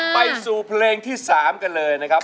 ไปสู่เพลงที่๓กันเลยนะครับ